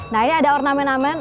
nah ini ada ornamen ornamen